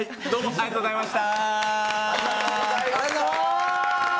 ありがとうございます。